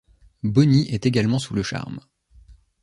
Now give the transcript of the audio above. Bony est également sous le charme.